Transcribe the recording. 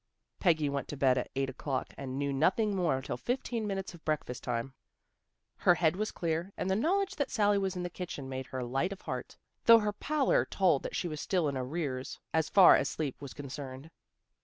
Peggy went to bed at eight o'clock and knew nothing more till fifteen minutes of breakfast time. Her head was clear, and the knowledge that Sally was in the kitchen made her light of heart, though her pallor told that she was still in arrears, as far as sleep was concerned.